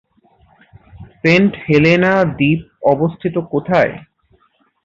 Saint Helena দ্বীপ অবস্থিত কোথায়?